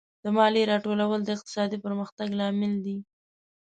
د مالیې راټولول د اقتصادي پرمختګ لامل دی.